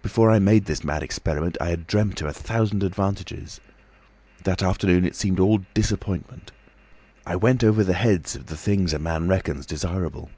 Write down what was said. Before I made this mad experiment I had dreamt of a thousand advantages. That afternoon it seemed all disappointment. I went over the heads of the things a man reckons desirable.